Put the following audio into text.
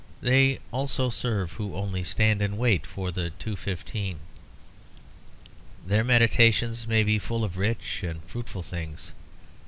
They also serve who only stand and wait for the two fifteen. Their meditations may be full of rich and fruitful things.